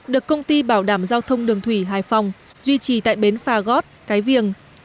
được công ty bảo đảm giao thông đường thủy hải phòng duy trì tại bến phà gót cái viềng